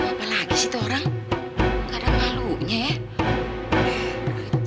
apa lagi sih itu orang kadang malunya ya